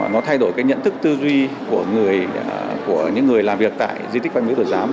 nó thay đổi cái nhận thức tư duy của những người làm việc tại di tích văn miếu tổ giám